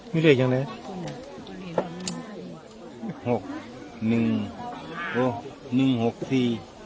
มีเลขยังไง